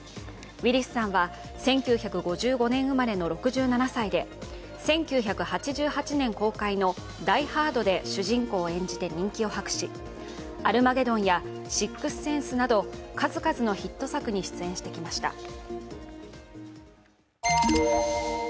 ウィリスさんは１９５５年生まれの６７歳で１９８８年公開の「ダイ・ハード」で主人公を演じて人気を博し「アルマゲドン」や「シックス・センス」など数々のヒット作に出演してきました。